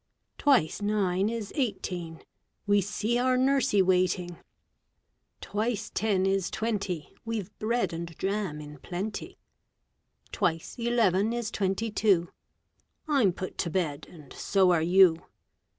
Twice nine is eighteen, We see our nursie waiting. Twice ten is twenty, We've bread and jam in plenty. Twice eleven is twenty two, I'm put to bed, and so are you.